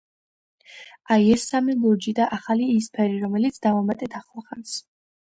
აი, ეს სამი ლურჯი, და ახალი იისფერი, რომელიც დავამატეთ ახლახანს.